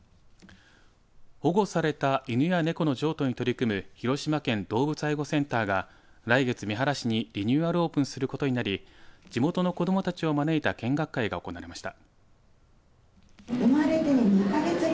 保護された犬や猫の譲渡に取り組む広島県動物愛護センターが来月三原市にリニューアルオープンすることになり地元の子どもたちを招いた見学会が行われました。